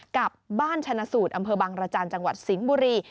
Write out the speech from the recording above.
กับบ้านชนะสูตรอำเภอบังรจันทร์จังหวัดสิงห์บุรี